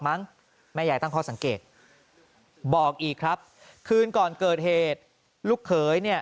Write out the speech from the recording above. มั้งแม่ยายตั้งข้อสังเกตบอกอีกครับคืนก่อนเกิดเหตุลูกเขยเนี่ย